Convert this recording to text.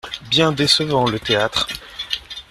Bien décevant, le théâtre…